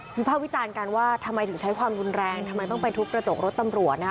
ภาควิจารณ์กันว่าทำไมถึงใช้ความรุนแรงทำไมต้องไปทุบกระจกรถตำรวจนะคะ